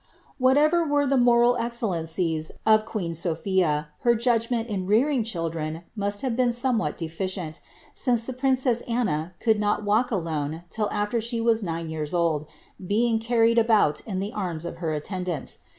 "^ Whatever were tlie moral excellencies of queen Sophia, her judgment in rearing children must have been somewhat deficient, since the princess Anna could not walk alone till after she was nine years old, being carried about in the arms of her attendants.